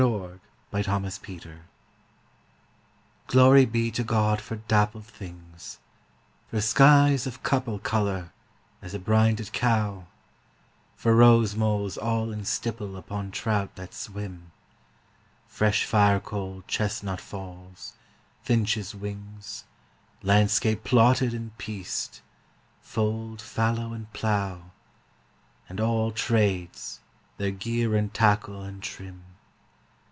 13 Pied Beauty GLORY be to God for dappled things For skies of couple colour as a brinded cow; For rose moles all in stipple upon trout that swim: Fresh firecoal chestnut falls; finches' wings; Landscape plotted and pieced fold, fallow, and plough; And àll tràdes, their gear and tackle and trim.